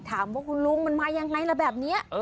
ถามว่าคุณลุงมันมายังไงล่ะแบบนี้